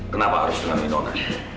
kenapa harus mengambil nona